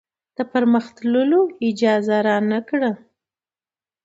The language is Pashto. د پر مخ تللو اجازه رانه کړه.